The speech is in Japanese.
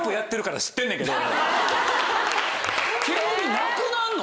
煙なくなんの？